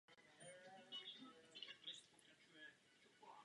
Mixtape se setkal s úspěchem u hudebních kritiků.